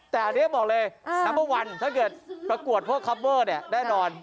แต่อันนี้บอกเลยอ่านับวันถ้าเกิดประกวดพวกเนี้ยแน่นอน